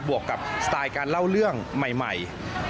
วกกับสไตล์การเล่าเรื่องใหม่